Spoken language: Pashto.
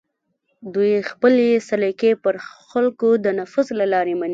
دوی خپلې سلیقې پر خلکو د نفوذ له لارې مني